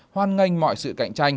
hoan nghênh mọi sự cạnh tranh